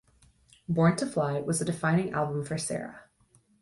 "Born to Fly" was a defining album for Sara.